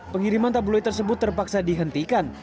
pengiriman tabloid tersebut terpaksa dihentikan